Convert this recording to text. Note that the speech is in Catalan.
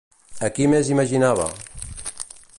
A qui més imaginava?